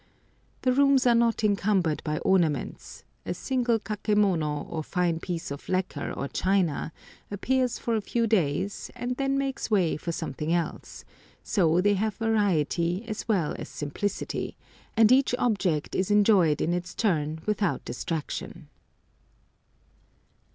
The rooms are not encumbered by ornaments; a single kakemono, or fine piece of lacquer or china, appears for a few days and then makes way for something else; so they have variety as well as simplicity, and each object is enjoyed in its turn without distraction.